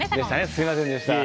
すみませんでした。